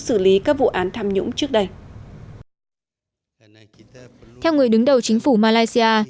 xử lý các vụ án tham nhũng trước đây theo người đứng đầu chính phủ malaysia